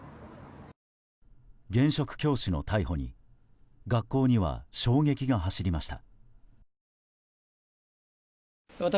現職教師の逮捕に学校には衝撃が走りました。